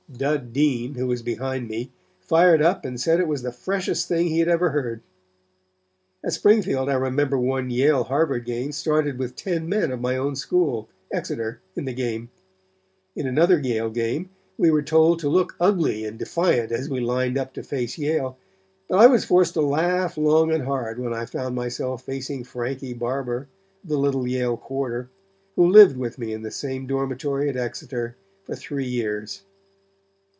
Dud Dean, who was behind me, fired up and said it was the freshest thing he had ever heard. At Springfield I remember one Yale Harvard game started with ten men of my own school, Exeter, in the game. In another Yale game we were told to look ugly and defiant as we lined up to face Yale, but I was forced to laugh long and hard when I found myself facing Frankie Barbour, the little Yale quarter, who lived with me in the same dormitory at Exeter for three years."